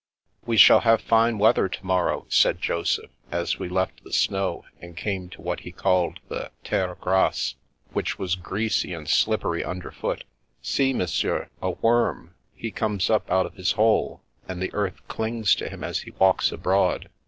"We shall have fine weather to morrow," said Joseph, as we left the snow and came to what he called the " terre grasse," which was greasy and slippery under foot. " See, Monsieur, a worm ; he comes up out of his hole, and the earth clings to him as he walks abroad.